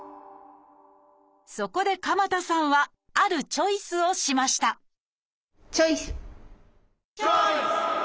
そこで鎌田さんはあるチョイスをしましたチョイス！